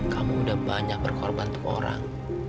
kamu udah banyak berkorban untuk orang